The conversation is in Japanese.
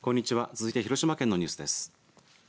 続いて広島県のニュースです。